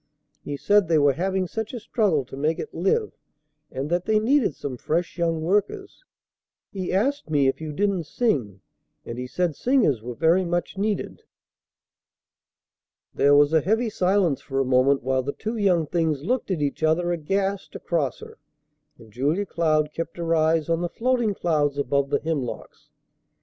He said they were having such a struggle to make it live and that they needed some fresh young workers. He asked me if you didn't sing, and he said singers were very much needed." There was a heavy silence for a moment while the two young things looked at each other aghast across her, and Julia Cloud kept her eyes on the floating clouds above the hemlocks.